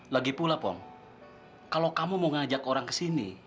lagipula pom kalau kamu mau ngajak orang ke sini